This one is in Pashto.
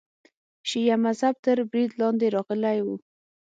شیعه مذهب تر برید لاندې راغلی و.